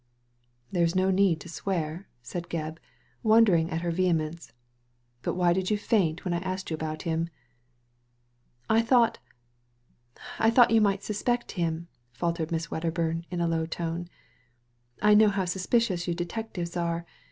*' There is no need to swear," said Gebb, wondering at her vehemence; "but why did you faint when I asked you about him ?'' "I thought — I thought you might suspect him," faltered Miss Wedderbum, in a low tone. * I know how suspicious you detectives are.